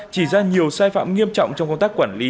chỉ ra nhiều sai phạm nghiêm trọng trong công tác quản lý